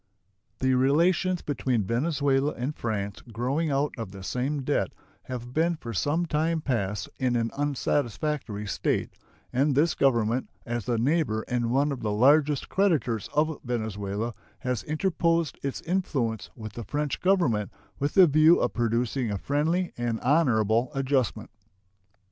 The relations between Venezuela and France growing out of the same debt have been for some time past in an unsatisfactory state, and this Government, as the neighbor and one of the largest creditors of Venezuela, has interposed its influence with the French Government with the view of producing a friendly and honorable adjustment.